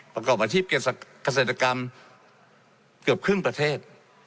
ประกอบอาชีพเกษตรกรรมเกือบครึ่งประเทศ